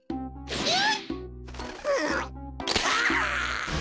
えっ？